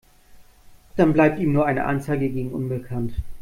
Dann bleibt ihm nur eine Anzeige gegen unbekannt.